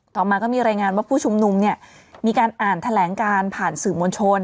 ต่อมาก็มีรายงานว่าผู้ชุมนุมเนี่ยมีการอ่านแถลงการผ่านสื่อมวลชน